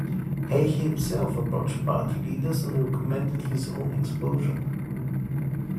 Hay himself approached Party leaders and recommended his own expulsion.